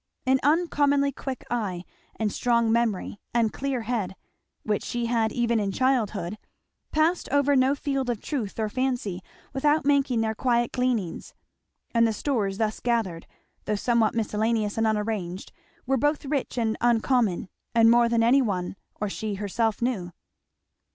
An uncommonly quick eye and strong memory and clear head, which she had even in childhood, passed over no field of truth or fancy without making their quiet gleanings; and the stores thus gathered, though somewhat miscellaneous and unarranged, were both rich and uncommon, and more than any one or she herself knew.